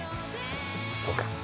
そうか。